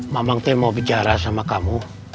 memang teh mau bicara sama kamu